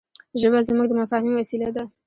ژبه زموږ د مفاهيمي وسیله ده.